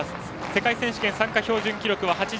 世界選手権参加標準記録は８５ｍ。